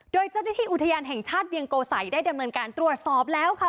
โดยเจ้าหน้าที่อุทยานแห่งชาติเวียงโกสัยได้ดำเนินการตรวจสอบแล้วค่ะ